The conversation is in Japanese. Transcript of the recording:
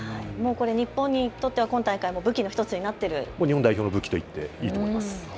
日本にとっては今大会、武器の１つになっている、日本代表の武器と言っていいと思います。